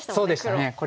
そうでしたね。